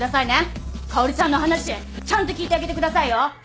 薫ちゃんの話ちゃんと聞いてあげてくださいよ。